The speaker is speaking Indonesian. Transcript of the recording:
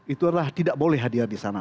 itu adalah tidak boleh hadir disana